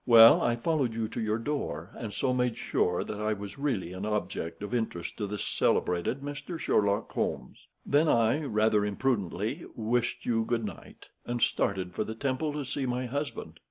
"Well, I followed you to the door, and so made sure that I was really an object of interest to the celebrated Mr. Sherlock Holmes. Then I, rather imprudently, wished you good night, and started for the Temple to see my husband.